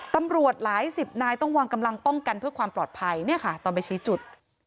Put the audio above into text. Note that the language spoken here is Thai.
ตำรวจหลายสิบนายต้องวางกำลังป้องกันเพื่อความปลอดภัยเนี่ยค่ะตอนไปชี้จุด